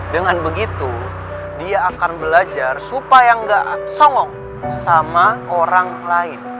dengan begitu dia akan belajar supaya nggak songok sama orang lain